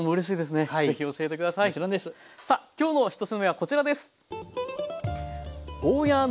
さあ今日の１品目はこちらです！